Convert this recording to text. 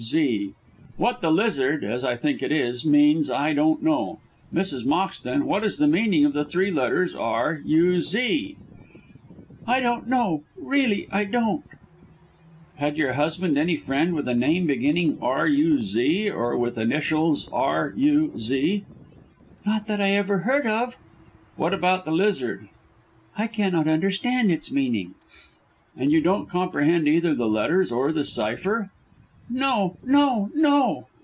Z. What the lizard, as I think it is, means I don't know. Mrs. Moxton, what is the meaning of the three letters R. U. Z.?" "I don't know, really I don't!" "Had your husband any friend with a name beginning Ruz, or with initials R. U. Z.?" "Not that I ever heard of." "What about the lizard?" "I cannot understand its meaning." "And you don't comprehend either the letters or the cypher?" "No! no! no!"